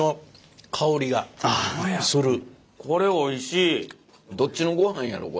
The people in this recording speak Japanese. これおいしい。